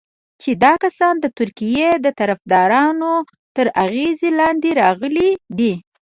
چې دا کسان د ترکیې د طرفدارانو تر اغېز لاندې راغلي دي.